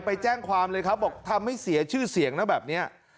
ไปแจ้งความเลยครับบอกทำให้เสียชื่อเสียงนะแบบนี้